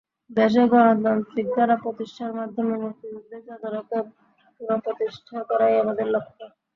দেশে গণতান্ত্রিক ধারা প্রতিষ্ঠার মাধ্যমে মুক্তিযুদ্ধের চেতনাকে পুনঃপ্রতিষ্ঠা করাই আমাদের লক্ষ্য।